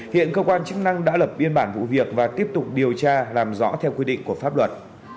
hiện cơ quan chức năng đã lập biên bản vụ việc và tiếp tục điều tra làm rõ theo quy định của pháp luật